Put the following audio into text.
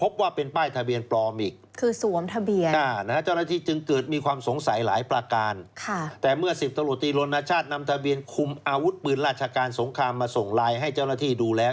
แต่เมื่อ๑๐ตำรวจตรีลนชาตินำทะเบียนคุมอาวุธปืนราชการสงครามมาส่งลายให้เจ้าหน้าที่ดูแล้ว